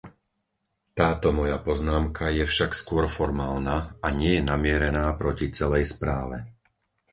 Táto moja poznámka je však skôr formálna a nie je namierená proti celej správe.